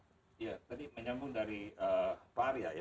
iya tadi menyambung dari pak arya ya